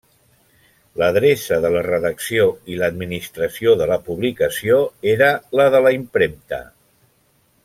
L'adreça de la redacció i l'administració de la publicació era la de la impremta.